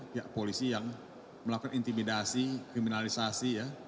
pihak polisi yang melakukan intimidasi kriminalisasi ya